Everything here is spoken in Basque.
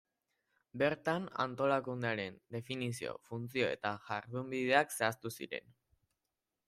Bertan antolakundearen definizio, funtzio eta jardunbideak zehaztu ziren.